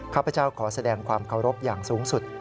ข้าพเจ้าขอแสดงความเคารพอย่างสูงสุด